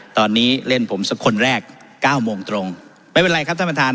ตอนนี้เล่นผมสักคนแรกเก้าโมงตรงไม่เป็นไรครับท่านประธาน